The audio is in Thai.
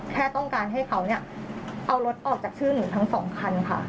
แค่ต้องการให้เขาเนี่ยเอารถออกจากชื่อหนูทั้งสองคันค่ะ